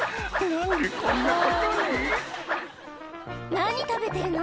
何食べてるの？